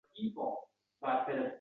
uni bag‘rimga bosdim.